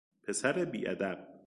پسر بیادب